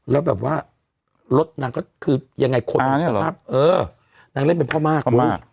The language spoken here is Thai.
แล้วแบบว่ารถนางก็คือยังไงคนนางเล่นเป็นพ่อมาก